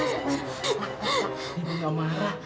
ibu nggak marah